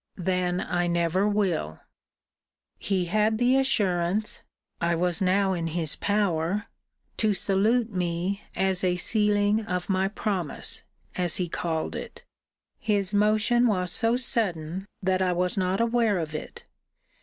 Then I never will. He had the assurance (I was now in his power) to salute me as a sealing of my promise, as he called it. His motion was so sudden, that I was not aware of it.